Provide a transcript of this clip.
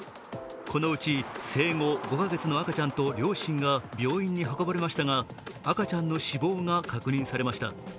このうち生後５か月の赤ちゃんと両親が病院に運ばれましたが赤ちゃんの死亡が確認されました。